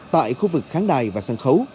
tại khu vực kháng đài và sân khấu